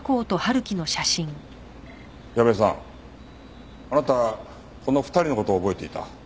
矢部さんあなたこの２人の事を覚えていた。